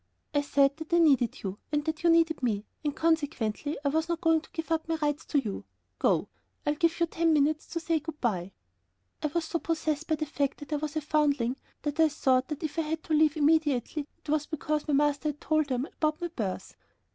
"I said that I needed you and that you needed me, and consequently I was not going to give up my rights to you. Go; I give you ten minutes to say good by." I was so possessed by the fact that I was a foundling, that I thought that if I had to leave immediately it was because my master had told them about my birth.